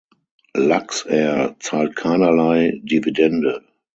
Luxair zahlt keinerlei Dividende.